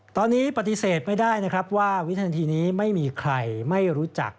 ตอนนี้ปฏิเสธไม่ได้นะครับว่าวินาทีนี้ไม่มีใครไม่รู้จัก